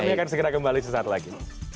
kami akan segera kembali sesaat lagi